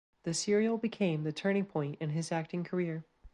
The serial became the turning point in his acting career.